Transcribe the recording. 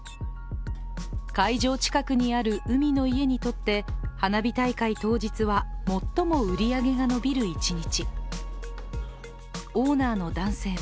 会場近くにある海の家にとって花火大会当日は、最も売り上げが伸びる１日。